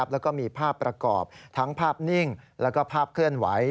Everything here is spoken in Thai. แล้วก็มีภาพประกอบทั้งภาพนิ่งแล้วก็ภาพเคลื่อนไหว